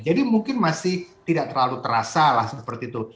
jadi mungkin masih tidak terlalu terasa lah seperti itu